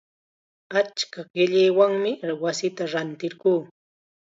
Achka qillaywanmi wasita rantirquu.